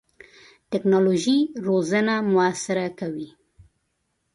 ټکنالوژي روزنه موثره کوي.